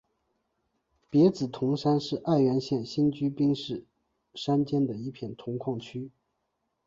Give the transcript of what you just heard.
别子铜山是爱媛县新居滨市山间的一片铜矿区。